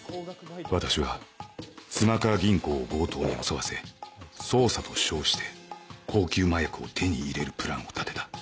私は妻川銀行を強盗に襲わせ捜査と称して高級麻薬を手に入れるプランを立てた